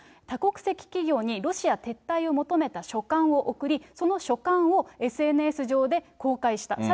多国籍企業にロシア撤退を求めた書簡を送り、その書簡をＳＮＳ上で公開した。